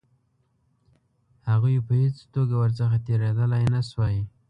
هغوی په هېڅ توګه ورڅخه تېرېدلای نه شوای.